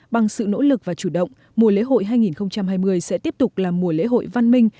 bằng sự nỗ lực và chủ động mùa lễ hội hai nghìn hai mươi sẽ tiếp tục là mùa lễ hội văn minh